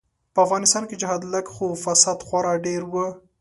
به افغانستان کی جهاد لږ خو فساد خورا ډیر وو.